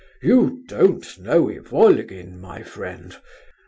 You don't know Ivolgin, my friend.